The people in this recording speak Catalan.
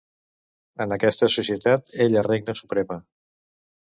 En aquesta societat, ella regna suprema.